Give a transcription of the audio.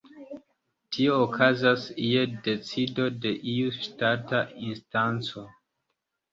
Tio okazas je decido de iu ŝtata instanco.